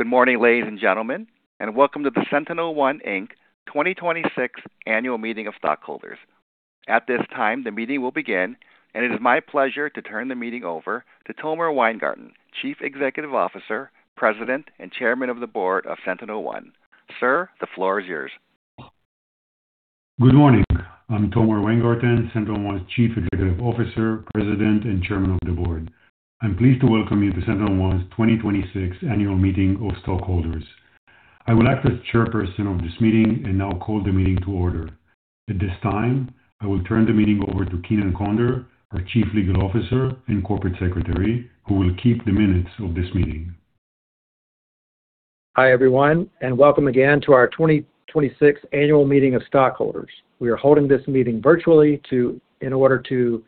Good morning, ladies and gentlemen, and welcome to the SentinelOne, Inc. 2026 Annual Meeting of Stockholders. At this time, the meeting will begin, and it is my pleasure to turn the meeting over to Tomer Weingarten, Chief Executive Officer, President, and Chairman of the Board of SentinelOne. Sir, the floor is yours. Good morning. I'm Tomer Weingarten, SentinelOne's Chief Executive Officer, President, and Chairman of the Board. I'm pleased to welcome you to SentinelOne's 2026 Annual Meeting of Stockholders. I will act as chairperson of this meeting and now call the meeting to order. At this time, I will turn the meeting over to Keenan Conder, our Chief Legal Officer and Corporate Secretary, who will keep the minutes of this meeting. Hi everyone, welcome again to our 2026 Annual Meeting of Stockholders. We are holding this meeting virtually in order to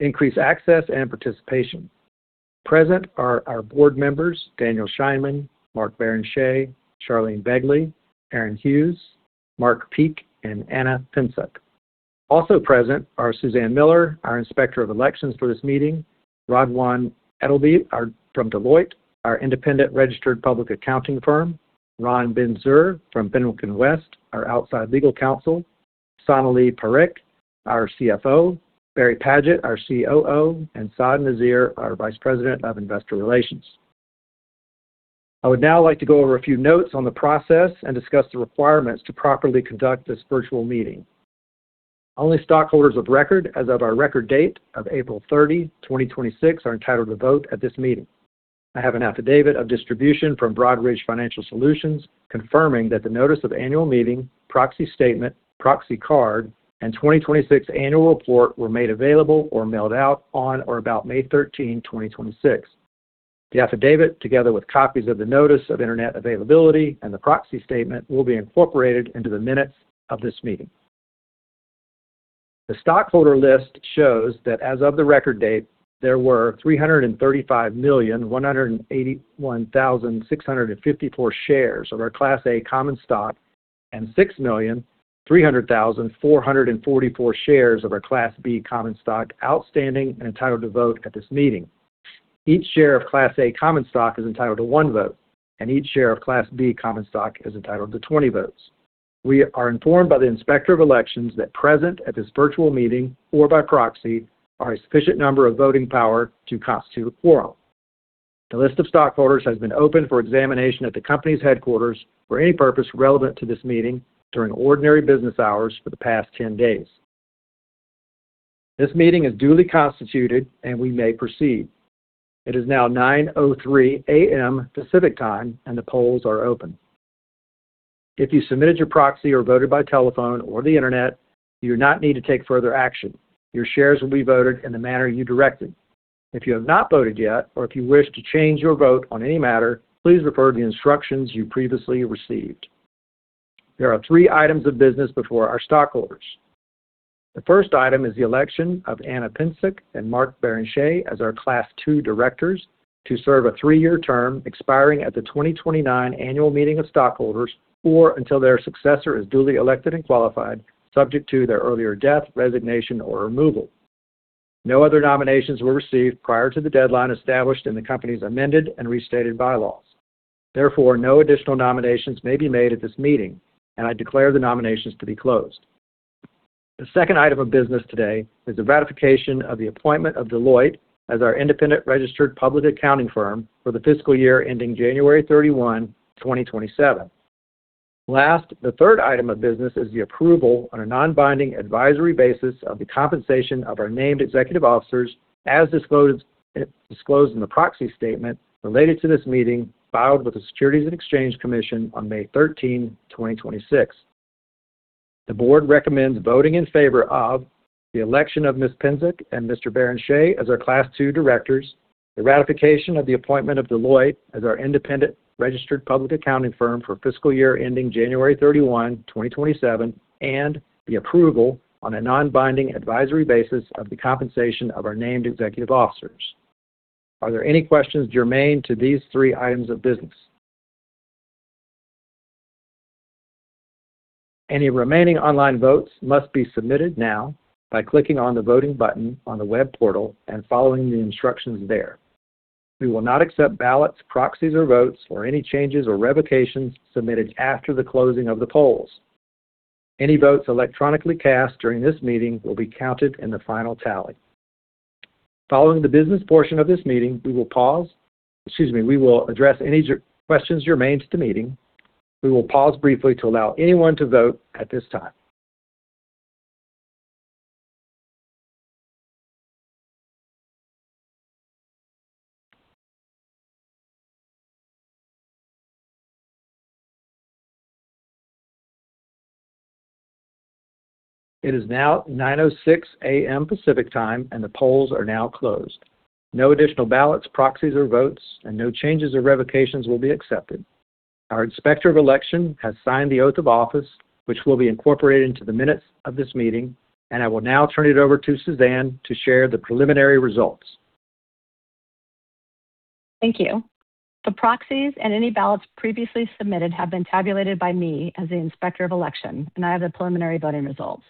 increase access and participation. Present are our board members, Daniel Scheinman, Mark Barrenechea, Charlene Begley, Aaron Hughes, Mark Peek, and Ana Pinczuk. Also present are Suzanne Miller, our Inspector of Elections for this meeting, Radwan Edlbi from Deloitte, our independent registered public accounting firm, Ron Binzer from Fenwick & West, our outside legal counsel, Sonalee Parekh, our CFO, Barry Padgett, our COO, and Saad Nazir, our Vice President of Investor Relations. I would now like to go over a few notes on the process and discuss the requirements to properly conduct this virtual meeting. Only stockholders of record as of our record date of April 30, 2026, are entitled to vote at this meeting. I have an affidavit of distribution from Broadridge Financial Solutions confirming that the notice of annual meeting, proxy statement, proxy card, and 2026 annual report were made available or mailed out on or about May 13, 2026. The affidavit, together with copies of the notice of Internet availability and the proxy statement, will be incorporated into the minutes of this meeting. The stockholder list shows that as of the record date, there were 335,181,654 shares of our Class A common stock and 6,300,444 shares of our Class B common stock outstanding and entitled to vote at this meeting. Each share of Class A common stock is entitled to one vote, and each share of Class B common stock is entitled to 20 votes. We are informed by the Inspector of Elections that present at this virtual meeting or by proxy are a sufficient number of voting power to constitute a quorum. The list of stockholders has been open for examination at the company's headquarters for any purpose relevant to this meeting during ordinary business hours for the past 10 days. This meeting is duly constituted, and we may proceed. It is now 9:03 A.M. Pacific Time, and the polls are open. If you submitted your proxy or voted by telephone or the Internet, you do not need to take further action. Your shares will be voted in the manner you directed. If you have not voted yet or if you wish to change your vote on any matter, please refer to the instructions you previously received. There are three items of business before our stockholders. The first item is the election of Ana Pinczuk and Mark J. Barrenechea as our Class 2 directors to serve a three-year term expiring at the 2029 Annual Meeting of Stockholders, or until their successor is duly elected and qualified, subject to their earlier death, resignation, or removal. No other nominations were received prior to the deadline established in the company's amended and restated bylaws. No additional nominations may be made at this meeting, and I declare the nominations to be closed. The second item of business today is the ratification of the appointment of Deloitte as our independent registered public accounting firm for the fiscal year ending January 31, 2027. Last, the third item of business is the approval on a non-binding advisory basis of the compensation of our named executive officers as disclosed in the proxy statement related to this meeting filed with the Securities and Exchange Commission on May 13, 2026. The board recommends voting in favor of the election of Ms. Pinczuk and Mr. Barrenechea as our Class 2 directors, the ratification of the appointment of Deloitte as our independent registered public accounting firm for fiscal year ending January 31, 2027, and the approval on a non-binding advisory basis of the compensation of our named executive officers. Are there any questions germane to these three items of business? Any remaining online votes must be submitted now by clicking on the voting button on the web portal and following the instructions there. We will not accept ballots, proxies or votes, or any changes or revocations submitted after the closing of the polls. Any votes electronically cast during this meeting will be counted in the final tally. Following the business portion of this meeting, we will address any questions germane to the meeting. We will pause briefly to allow anyone to vote at this time. It is now 9:06 A.M. Pacific Time, and the polls are now closed. No additional ballots, proxies or votes, and no changes or revocations will be accepted. Our Inspector of Elections has signed the oath of office, which will be incorporated into the minutes of this meeting, and I will now turn it over to Suzanne to share the preliminary results. Thank you. The proxies and any ballots previously submitted have been tabulated by me as the Inspector of Election, and I have the preliminary voting results.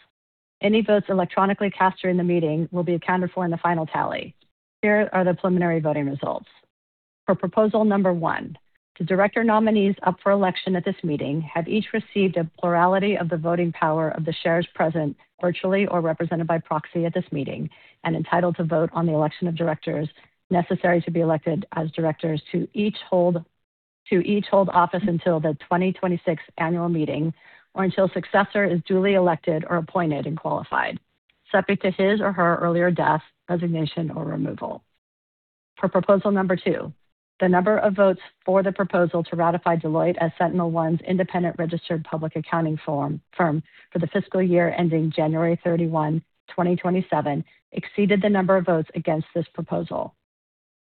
Any votes electronically cast during the meeting will be accounted for in the final tally. Here are the preliminary voting results. For Proposal No. 1, the director nominees up for election at this meeting have each received a plurality of the voting power of the shares present virtually or represented by proxy at this meeting and entitled to vote on the election of directors necessary to be elected as directors to each hold office until the 2029 annual meeting, or until successor is duly elected or appointed and qualified, subject to his or her earlier death, resignation, or removal. For Proposal No. 2, the number of votes for the proposal to ratify Deloitte as SentinelOne's independent registered public accounting firm for the fiscal year ending January 31, 2027, exceeded the number of votes against this proposal.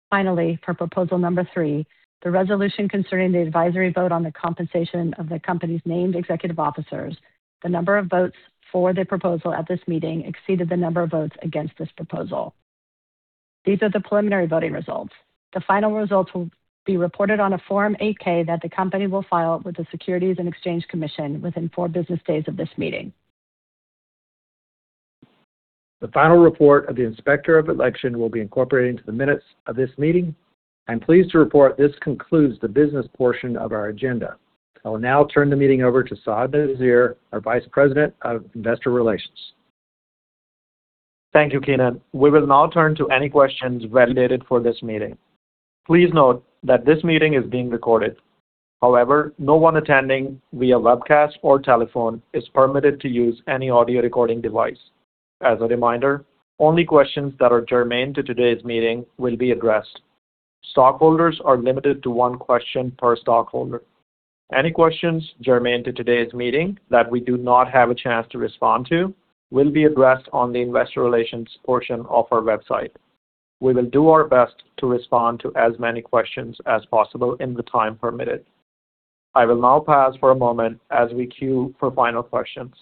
Finally, for Proposal No. 3, the resolution concerning the advisory vote on the compensation of the company's named executive officers, the number of votes for the proposal at this meeting exceeded the number of votes against this proposal. These are the preliminary voting results. The final results will be reported on a Form 8-K that the company will file with the Securities and Exchange Commission within four business days of this meeting. The final report of the Inspector of Election will be incorporated into the minutes of this meeting. I'm pleased to report this concludes the business portion of our agenda. I will now turn the meeting over to Saad Nazir, our Vice President of Investor Relations. Thank you, Keenan. We will now turn to any questions validated for this meeting. Please note that this meeting is being recorded. However, no one attending via webcast or telephone is permitted to use any audio recording device. As a reminder, only questions that are germane to today's meeting will be addressed. Stockholders are limited to one question per stockholder. Any questions germane to today's meeting that we do not have a chance to respond to will be addressed on the investor relations portion of our website. We will do our best to respond to as many questions as possible in the time permitted. I will now pause for a moment as we queue for final questions.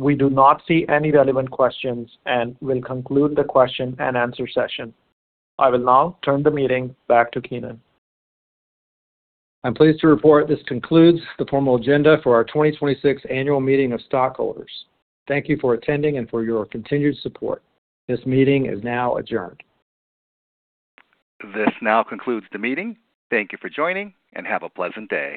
We do not see any relevant questions and will conclude the question and answer session. I will now turn the meeting back to Keenan. I'm pleased to report this concludes the formal agenda for our 2026 annual meeting of stockholders. Thank you for attending and for your continued support. This meeting is now adjourned. This now concludes the meeting. Thank you for joining, and have a pleasant day